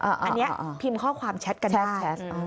อันนี้พิมพ์ข้อความแชทกันได้แชท